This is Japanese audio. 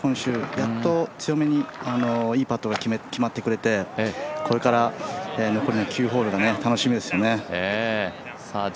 やっと強めにいいパットが決まってくれてこれから残りの９ホールが楽しみですよね。